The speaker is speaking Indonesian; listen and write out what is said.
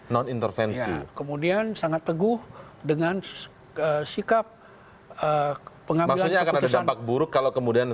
non intervensi kemudian sangat teguh dengan sikap pengambilan akan ada dampak buruk kalau kemudian